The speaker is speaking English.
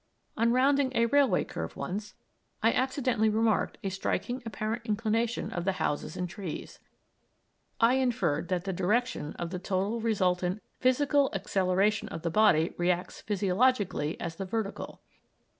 On rounding a railway curve once, I accidentally remarked a striking apparent inclination of the houses and trees. I inferred that the direction of the total resultant physical acceleration of the body reacts physiologically as the vertical.